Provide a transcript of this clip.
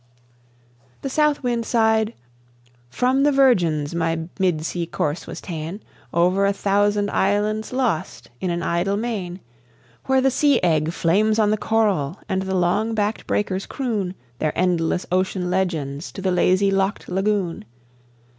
The South Wind sighed: "From The Virgins my mid sea course was ta'en Over a thousand islands lost in an idle main, Where the sea egg flames on the coral and the long backed breakers croon Their endless ocean legends to the lazy, locked lagoon.